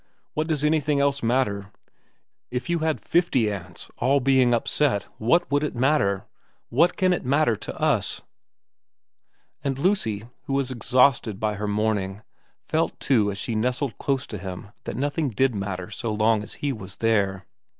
What does anything else matter ? If you had fifty aunts, all being upset, what would it matter ? What can it matter to us ?' And Lucy, who was exhausted by her morning, felt too as she nestled close to him that nothing did matter so long as he was there.